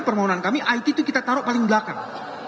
permohonan kami it itu kita taruh paling belakang